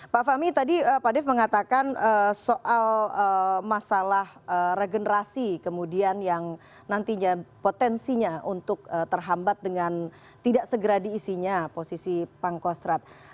pak fahmi tadi pak dev mengatakan soal masalah regenerasi kemudian yang nantinya potensinya untuk terhambat dengan tidak segera diisinya posisi pangkostrat